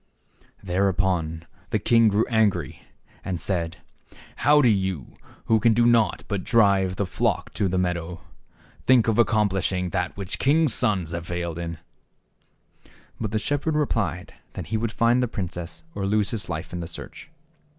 Thereupon the king grew angry, and said, " How do you, who can do naught but drive the flock to the meadow, think of accomplishing that which kings' sons have failed in? " But the shepherd replied that he would find the princess or lose his life in the search.